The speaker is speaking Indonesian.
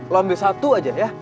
lo ambil satu aja ya